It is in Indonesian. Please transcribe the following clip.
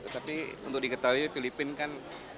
tapi untuk diketahui filipina kan